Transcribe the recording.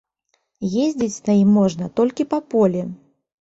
Ездзіць на ім можна толькі па полі.